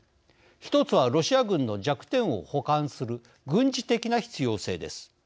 一つはロシア軍の弱点を補完する軍事的な必要性です。